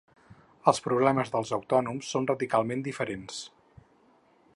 Els problemes dels autònoms són radicalment diferents.